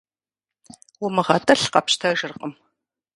УмыгъэтӀылъ къэпщтэжыркъым.